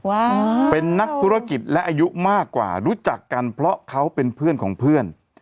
เป็นนักธุรกิจและอายุมากกว่ารู้จักกันเพราะเขาเป็นเพื่อนของเพื่อน